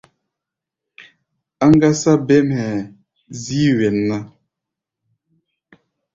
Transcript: Áŋgásá bêm hɛ̧ɛ̧ zíí wen ná.